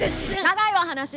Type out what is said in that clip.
長いわ話！